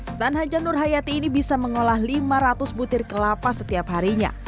stan hajan nur hayati ini bisa mengolah lima ratus butir kelapa setiap harinya